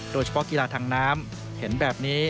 โดยเฉพาะกีฬาทางน้ำเห็นแบบนี้